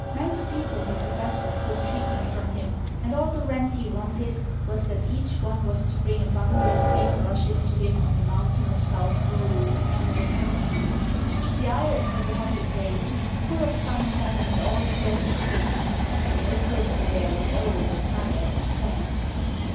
Manx people had the best of good treatment from him, and all the rent he wanted was that each one was to bring a bundle of green rushes to him on the Mountain of South Barrule on Midsummer Eve. The island was a happy place, full of sunshine and all pleasant things, and no person there was old or tired or sad.